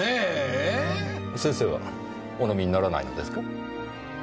先生はお飲みにならないのですか？